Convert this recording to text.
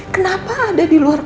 kenapa ada di luar